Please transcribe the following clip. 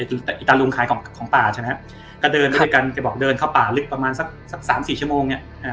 อีตารุงขายของป่าใช่มั้ยก็เดินด้วยกันเขาบอกเดินเข้าป่าลึกประมาณสัก๓๔ชั่วโมงเนี่ย